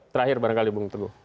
terakhir barangkali bung teluk